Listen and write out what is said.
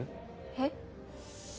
えっ？